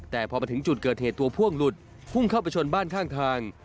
แต่พอมาถึงจุดเกิดเหตุตัวพ่วงหลุดพุ่งเข้าไปชนบ้านข้างทาง